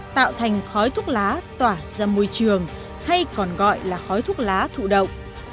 tạo thành khói thuốc lá tỏa ra môi trường hay còn gọi là khói thuốc lá thụ động